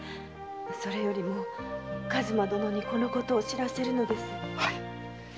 それよりも数馬殿にこのことを報せるのです。